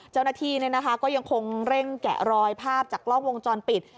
เจ้าหน้าที่ก็ยังคงเร่งแกะรอยภาพจากกล้องวงจรปิด